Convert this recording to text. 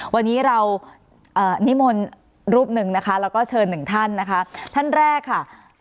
วันนี้เรานิมนต์รูปหนึ่งนะคะแล้วก็เชิญหนึ่งท่านนะคะท่านแรกค่ะ